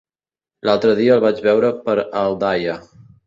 L'altre dia el vaig veure per Aldaia.